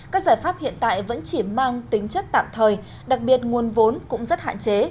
các giải pháp hiện tại vẫn chỉ mang tính chất tạm thời đặc biệt nguồn vốn cũng rất hạn chế